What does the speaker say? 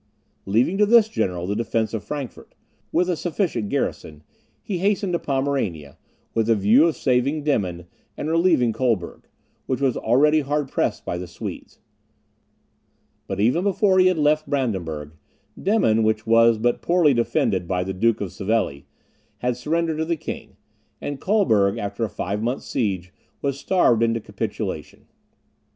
Leaving to this general the defence of Frankfort, with a sufficient garrison, he hastened to Pomerania, with a view of saving Demmin, and relieving Colberg, which was already hard pressed by the Swedes. But even before he had left Brandenburg, Demmin, which was but poorly defended by the Duke of Savelli, had surrendered to the king, and Colberg, after a five months' siege, was starved into a capitulation.